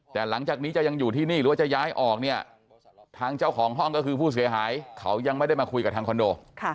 แต่หลังจากนี้จะยังอยู่ที่นี่หรือว่าจะย้ายออกเนี่ยทางเจ้าของห้องก็คือผู้เสียหายเขายังไม่ได้มาคุยกับทางคอนโด